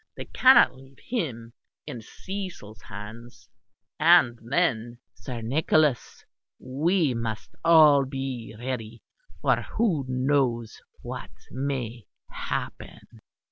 They cannot leave him in Cecil's hands; and then, Sir Nicholas, we must all be ready, for who knows what may happen."